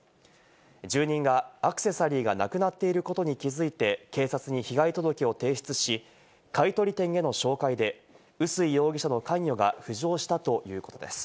住人がアクセサリーがなくなっていることに気付いて警察に被害届を提出し、買い取り店への照会で、薄井容疑者の関与が浮上したということです。